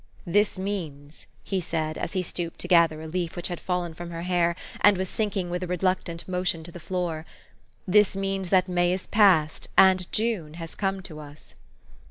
"This means," he said, as he stooped to gather THE STORY OF AVIS. 103 a leaf which had fallen from her hair, and was sink ing with a reluctant motion to the floor, ' i this means that May is past, and June has come to us."